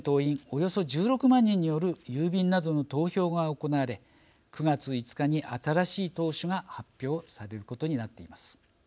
およそ１６万人による郵便などの投票が行われ９月５日に新しい党首が発表されることになっています。